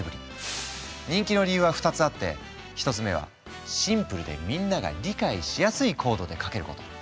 人気の理由は２つあって１つ目はシンプルでみんなが理解しやすいコードで書けること。